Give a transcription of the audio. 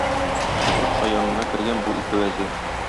Патша янына кергән бу ике вәзир.